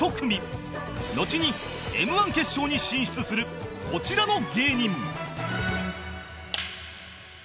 のちに Ｍ−１ 決勝に進出するこちらの芸人